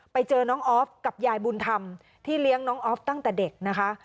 ไปเจอน้องออฟกับยายบุญธรรมที่เลี้ยงน้องออฟตั้งแต่เด็กนะคะ